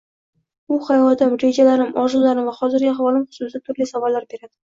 U hayotim, rejalarim, orzularim va hozirgi ahvolim hususida turli savollar beradi